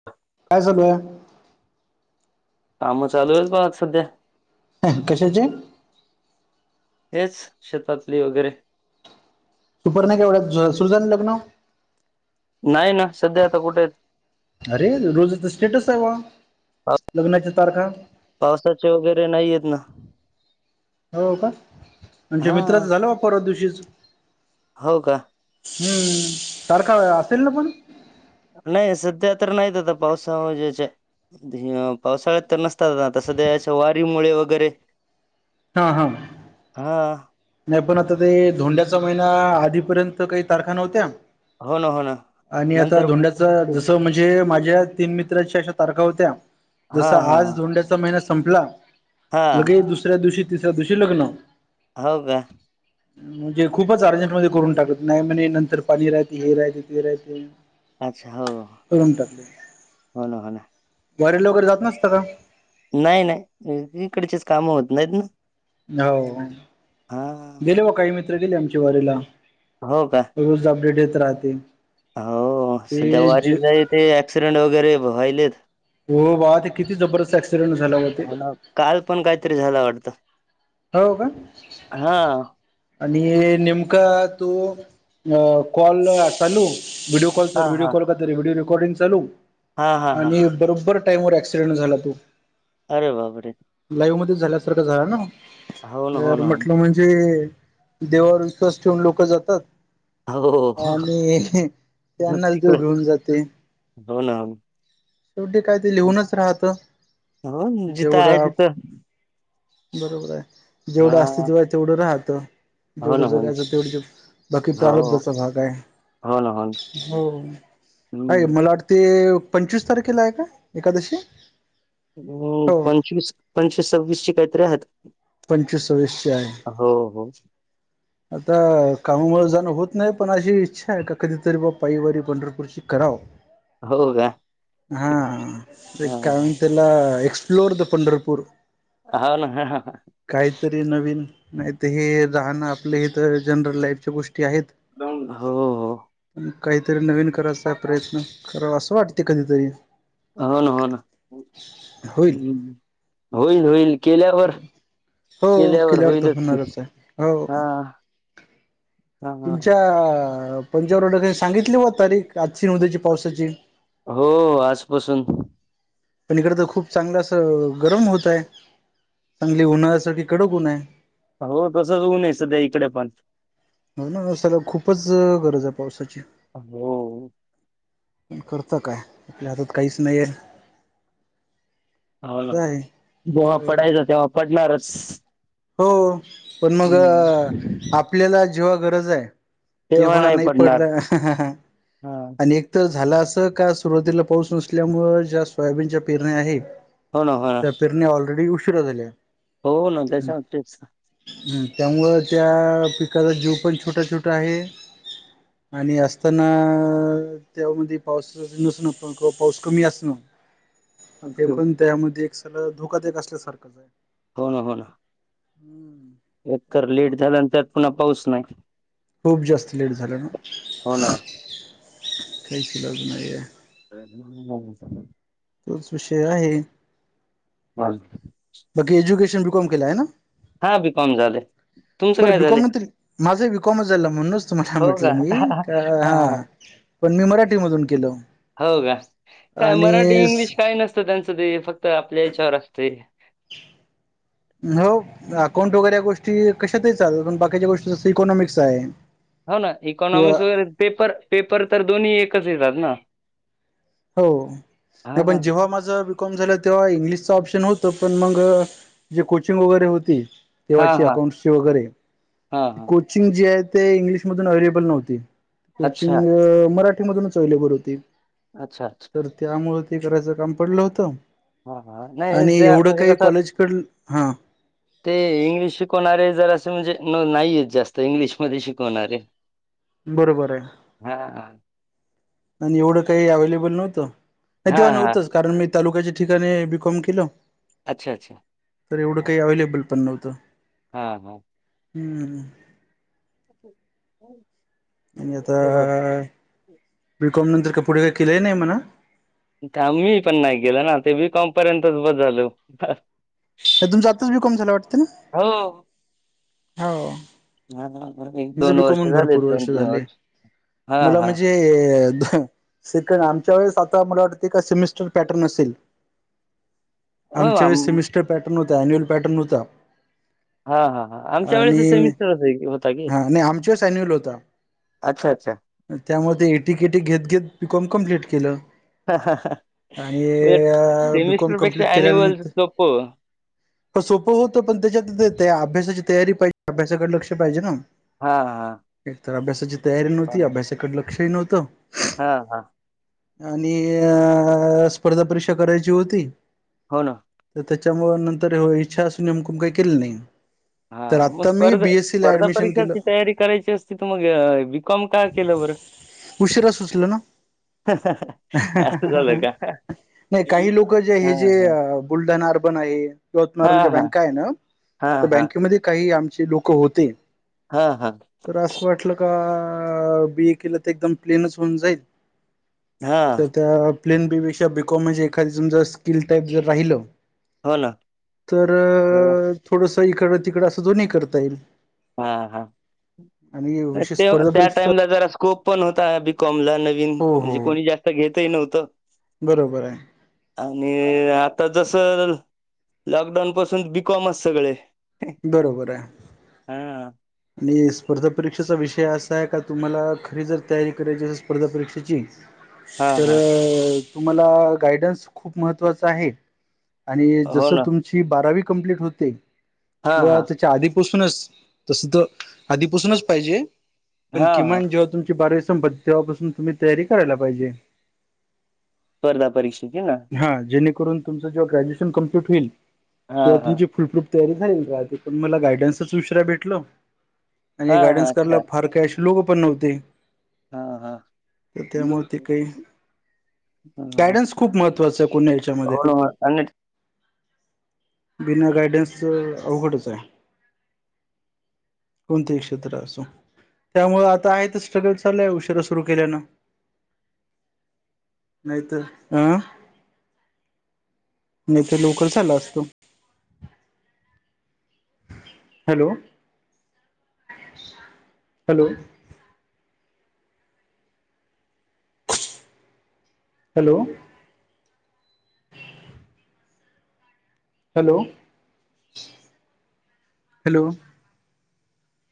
[unintelligible] काय चालूय? काम चालू आहेत बघ, आज सध्या. कशाचे? हेच शेतातली वगैरे [unintelligible] लग्न नाही ना, सध्या आता कुठेत? अरे, [unintelligible] स्टेटस आहे बा पाव लग्नाच्या तारखा पावसाचे वगैरे नाही. आहेत ना हो, का. आमच्या हा मित्राच झालं [unintelligible] परवा दिवशीच. हो, का. हम्म, तारखा असेल ना पण नाही सध्या तर नाहीत आता, पावसा [unintelligible] पावसाळ्यात तर नसत सध्याच्या वारीमुळे वगैरे. हा हा. हा. नाही, पण आता ते धोंड्याचा महिना आधीपर्यंत काही तारखा नव्हत्या. हो ना हो ना आणि आता नंतर धोंडा ते- जस म्हणजे माझ्या तीन मित्राच्या अशा तारखा होत्या, हा जस हा आज धोंड्याचा महिना संपला. हा लगे दुसऱ्या दिवशी, तिसऱ्या दिवशी लग्न. हो, का. म्हणजे खूपच अर्जंट मध्ये करून टाकले. नाही म्हणे नंतर पाणी राहते, हे राहते, ते राहते. अच्छा, हो. करून टाकले हो ना, हो ना. वारीला वगैरे जात नसता का? नाही, नाही. इकडचेचं कामं होत नाही ती. हो, गेले बो काही मित्र गेले आमचे वारीला. हो, का. रोज अपडेट येत राहतील. हो, सध्या वारीला ते ऍक्सिडेंट वगैरे व्हायलेत. हो, बा ते किती जबरदस्त ऍक्सिडेंट झाला माहितीय? हो ना काल पण काहीतरी झालं वाटतं? हो, का? हां. आणि नेमका तू कॉल चालू व्हिडिओ हां, व्हिडिओ हां. कॉल काय तर, व्हिडिओ रेकॉर्डिंग चालू हां, हां, हां. आणि बरोबर टाईम वर ऍक्सीडेन्ट झाला तो. अरे बापरे. लाईव्ह मध्ये झाल्यासारखं झाल ना. हो ना, हो जर ना, हो ना. म्हटल म्हणजे, देवावर विश्वास ठेवून लोक जातात. हो. हो. आणि, त्यांनाच देव तिकडे घेऊन जाते. हो ना शेवटी काय ते लिहूनच राहत. हो ना, जिथं जेवढ आहे आप तिथं बरोबर आहे. जेवढ हां. अस्तित्व आहे तेवढ राहत. हो जेवढ ना, हो ना. जगायच तेवढ, बाकी हो, हो. प्रारब्धचा भाग आहे. हो ना, हो ना. हो, आहे क हं. मला वाट ते, पंचवीस तारखेला आहे का एकादशी. हो, पंचवीस पंचवीस, सव्वीसची कायत आहेत. पंचसवीस सव्वीसची आहे. हो, हो. आता कामामुळे जाण होत नाही. पण अशी इच्छा आहे का कधीतरी बा पाईवारी पंढरपूरची कराव. हो का? हा, हां, हां. कायम तेला एक्सप्लोर द पंढरपूर. हा ना हा हा हा काहीतरी नवीन, नाहीत हे राहण आपले हे तर जनरल लाईफच्या गोष्टी आहेत. हो हो पण, काहीतरी नवीन करायचा प्रयत्न करावा अस वाटते कधीतरी. हो ना हो ना होईल हम्म होईल होईल केल्यावर, हो केल्यावर तर होईलच कि. होणारच आहे हो हा तुमच्या, पंचांग वर सांगितली व हां. तारीख आजची न उद्याची पावसाची. हो आजपासून पलीकड त खूप चांगल अस गरम होत आहे. चांगली उन्हाळ्यासाठी कडक उन आहे. अहो तसच ऊन आहे सध्या इकडे पण. हो ना सध्या खूपच गरज आहे पावसाची. अ हो पण करता काय आपल्या हातात काहीच नाहीये. हाव ना, आहे जेव्हा हो पडायचा तेव्हा पडणारच. हो, पण मग हम्म. आपल्याला जेव्हा गरज आहे तेव्हा नाही पडला. हा आणि एक तर झाल अस का सुरुवातीला पाऊस नसल्यामुळे ज्या सोयाबीनच्या पेरण्या आहे हो ना, हो ना. त्या पेरण्या ऑलरेडी उशिरा झाल्या. हो न त्याच्या तेच हम्म, त्यामुळ त्या पिकाचा जीव पण छोटा छोटा आहे. आणि असताना त्यामध्ये पावसाच नसण, पण किंवा पाऊस कमी असण ते पण त्यामध्ये एक सगळ धोकादायक असल्यासारखच आहे. हो ना हो ना हम्म एक तर लेट झाल न त्यात पुन्हा पाऊस नाही. खूप जास्त लेट झाल ना. हो ना. काहीच इलाज नाहीये. [unintelligible] तोच विषय आहे. वाल बाकी, एज्युकेशन बी कॉम केल आहे हे ना. हा, बी कॉम झालय. बर बी कॉम नंतर, माझही बी कॉमच झालेल आहे. म्हणूनच तुम्हाला हो म्हटल का? मी की ह हा पण मी मराठी मधून केलं. हो का काय आणि मराठी इंग्लिश काही नसतं त्यांचं ते फक्त आपल्या याच्यावर असतं. हो. अकाउंट वगैरे या गोष्टी कशातही चाल पण बाकीच्या गोष्टी इकॉनॉमिक्स आहे. हो ना किंवा इकॉनॉमिक्स वगैरे पेपर- पेपर तर दोन्ही एकच येतात ना. हो हां, हां. जेव्हा माझं तेव्हा इंग्लि चं ऑप्शन होतं पण म जे कोचिंग वगैरे होती. हां, तेव्हाची हां. अकाउंटची वगैरे हां, हां. कोचिंग जे आहे ते इंग्लिश मधून अवेलेबल नव्हती. अच्छा, कोचिंग मराठीमधूनच अवलेबल होती. अच्छा, अच्छा, त्यामुळं ते करायचं काम पडलं होतं. हां, हां. नाही आणि त्या एवढं म्हणजे काही कसं कॉलेजकडं हा. ते इंग्लिश शिकवणारे जराशे म्हणजे नाहीयेत जास्त इंग्लिशमध्ये शिकवणारे. [unintelligible] बरोबर आहे हां, हां. आणि एवढं काही अवेलेबल नव्हतं. तेव्हा हां, हां. नव्हतंच कारण मी तालुक्याच्या ठिकाणी बी कॉम केलं. अच्छा, अच्छा. तर एवढं काही अवलेबल पण नव्हतं. हा हा. हम्म, हो. आणि आता बिकॉम नंतर का पुढे काही केलंही नाही म्हणा. तमी पण नाही गेल ना ते बीकॉम पर्यंतच ब झालं. तुमचं आत्ताच बी कॉम झालंय वाटतं ना? हो. हो. हा. माझं बी कॉम भरपूर वर्ष झाले हां, मला हां. म्हणजे सेकंड आमच्या वेळेस आता मला वाटते का सेमेस्टर पॅटर्न असेल. हो आमच्या वे आम सेमिस्टर पॅटर्न होता अन्युअल पॅटर्न होता. हा हा हा आमच्या वेळेस आणि सेमिस्टरच होता कि. हा आमच्या स अन्युल होता. अच्छा, अच्छा. त्यामुळे ते एटी केटी घेत - घेत बीकॉम कम्प्लीट केलं. आणि उलट बी कॉम सेमिस्टरपेक्षा कम्प्लटं ॲन्युअल केल्यानंतर? सोपं. प- सोपं होतं पण त्याच्यात त्या अभ्यासाची तयारी पाहिजे अभ्यासाकडे लक्ष पाहिजे ना. हा हा. एक तर अभ्यासाची तयारी नव्हती अभ्यासाकडे लक्षही नव्हतं. हा हा. आणि अ - स्पर्धा परीक्षा करायची होती. हो ना. तर त्याच्यामुळेळ नंतर इच्छा असून नेमकून काही केली नाही. तर हां, मग आता मी स्पर्धा बी ए सी ला स्पर्धा अडमिशन. परीक्षाची तयारी करायची असती तर मग बी कॉम का केलं बरं. उशिरा सुचलं ना. असं झालंय का? नाही काही लोक जे हे जे. बुलढाणा अर्बन आहे [inaudible] हां, हां. बँक आहे ना ते हां, हां. बँकेमध्ये काही, आमचे लोक होते हा हा तर, असं वाटलं का बीए केलं तर एकदम प्लेनच होऊन जाईल हा तर त्या प्लेन बी बी पेक्षा, बीकॉम म्हणजे एखादीम स्किल टाईप जर राहिलं हो ना. तर, हं. थोडस इकडं तिकड असं दोन्ही करता येईल हा हा, आणि विशेष ते स्पर्धा त्या परीक्षा टाइमला जर स्कोप पण, होता बिकॉम ला नवीन हो हो म्हणजे, कोणी जास्त घेतही नव्हत बरोबर आहे आणि, आता जस लॉकडाऊन पाासून बीकॉम अस सगळे बरोबर आहे हा आणि, स्पर्धा परीक्षेचा विषय असा आहे, का तुम्हाला खरी जर तयारी करायची अस स्पर्धा परीक्षेची हा तर, हा तुम्हाला गायडन्स खूप महत्त्वाचा आहे आणि, हो जसं ना तुमची बारावी कंप्लीट होते. हा किंवा हा त्याच्या आधीपासूनच तस तर आधीपासूनच पाहिजे पण, हा हा किमान जेव्हा तुम बारावी संपत, तेव्हापासून तुम्ही तयारी करायला पाहिजे स्पर्धा परीक्षा की ना हा, जेणेकरून तुमचं जेव्हा ग्रॅज्युएशन कंप्लीट होईल, हा तेव्हा तुम हा फुलपूफ पण, मला गायडन्सचश्र भेटल आणि हा हा गाडन्स करायला अच्छा फार काय लोक पण नव्हते, हा हा तर त्यामुळे ते काही गायडन्स खूप महत्त्वाच आहे पूर्ण याच्यामध्ये हो ना आणि बिना गायडन्सचं, अवघडच आहे कोणत्याही क्षेत्र असो त्यामुळे, आता आहे तर स्ट्रगल चाललंय उशिरा सुरू केल्यानं नाहीतर अं आणिथे लोकल चाला असतो hello, hello hello hello hello